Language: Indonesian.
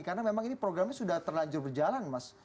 karena memang ini programnya sudah terlanjur berjalan mas